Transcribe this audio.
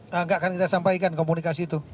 nah gak akan kita sampaikan komunikasi itu